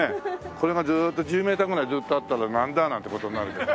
これがずっと１０メーターぐらいずっとあったら「なんだ？」なんて事になるけど。